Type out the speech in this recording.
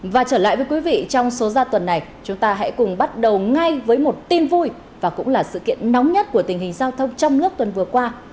và trở lại với quý vị trong số ra tuần này chúng ta hãy cùng bắt đầu ngay với một tin vui và cũng là sự kiện nóng nhất của tình hình giao thông trong nước tuần vừa qua